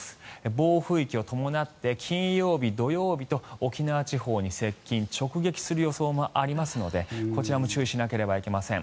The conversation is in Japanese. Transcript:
暴風域を伴って金曜日、土曜日と沖縄地方に接近・直撃する予想もありますのでこちらも注意しなければいけません。